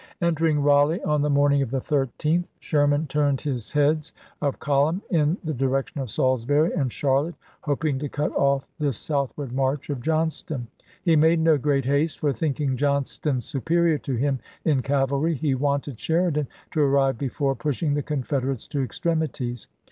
Entering Raleigh on the morning of the 13th, Apm, i86& Sherman turned his heads of column in the direc tion of Salisbury and Charlotte, hoping to cut off the southward march of Johnston. He made no great haste, for thinking Johnston superior to him in cavalry he wanted Sheridan to arrive before push ing the Confederates to extremities.